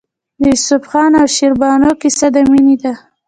د یوسف خان او شیربانو کیسه د مینې ده.